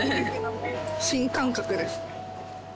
新感覚です。